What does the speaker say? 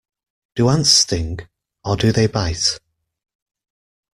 Do ants sting, or do they bite?